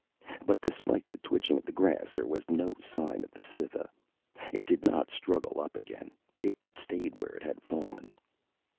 But despite the twitching of the grass, there was no sign of the Cytha. It did not struggle up again. It stayed where it had fallen.